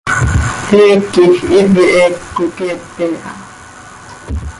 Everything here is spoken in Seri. Heec quij hipi he coqueepe ha.